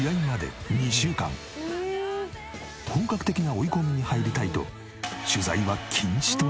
本格的な追い込みに入りたいと取材は禁止となった。